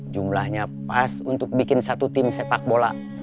jumlahnya pas untuk bikin satu tim sepak bola